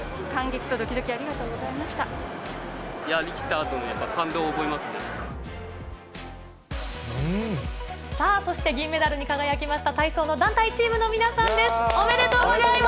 やりきったことに、感動を覚さあ、そして銀メダルに輝きました、体操の団体チームの皆さんです。